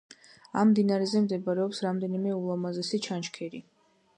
ამ მდინარეზე მდებარეობს რამდენიმე ულამაზესი ჩანჩქერი.